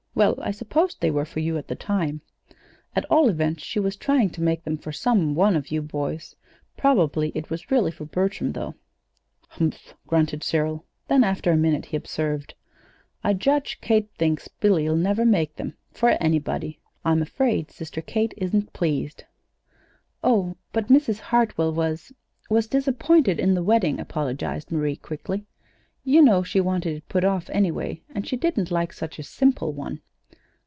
"Well, I supposed they were for you at the time. At all events she was trying to make them for some one of you boys; probably it was really for Bertram, though." "Humph!" grunted Cyril. Then, after a minute, he observed: "I judge Kate thinks Billy'll never make them for anybody. I'm afraid Sister Kate isn't pleased." "Oh, but Mrs. Hartwell was was disappointed in the wedding," apologized Marie, quickly. "You know she wanted it put off anyway, and she didn't like such a simple one.